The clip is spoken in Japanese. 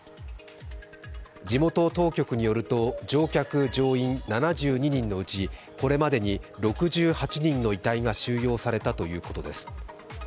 地元当局によると乗客・乗員７２人のうちこれまでに６８人の遺体が収容されたということです。